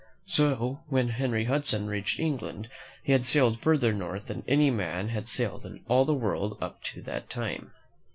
So when Henry Hudson reached England, he had sailed further north than any man had sailed in all the world up to that time.